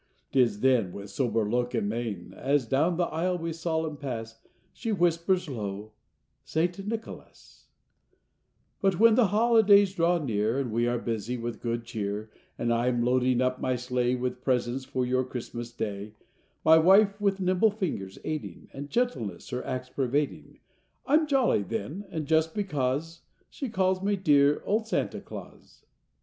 Tis then with sober look, and mein, As down the aisle we, solemn, pass, She whispers low, 'St. Nicholas.'" C ' S '^!' S > jn|B r*5v;'j ll 1 S I 1 1 1 1^*1 Copyrighted, 1897 lUT when the holidays draw near And we are busy with good cheer, And I am loading up my sleigh With presents for your Christmas Day, My wife with nimble fingers aiding, And gentleness her acts pervading, I'm jolly then, and just because She calls me 'dear old Santa Claus.